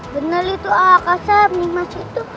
benar itu aka seb nih mas itu